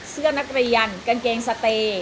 เสื้อนักเรียนกางเกงสเตย์